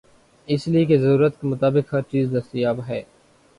اس لئے کہ ضرورت کے مطابق ہرچیز دستیاب ہے۔